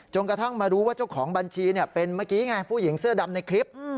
กระทั่งมารู้ว่าเจ้าของบัญชีเป็นเมื่อกี้ไงผู้หญิงเสื้อดำในคลิป